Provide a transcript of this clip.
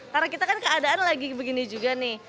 karena kita kan keadaan lagi begini juga nih